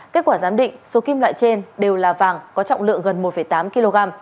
kết quả giám định số kim loại trên đều là vàng có trọng lượng gần một tám kg